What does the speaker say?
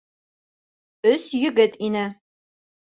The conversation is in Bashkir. Өс егет ине.